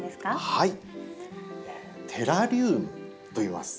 はいテラリウムといいます。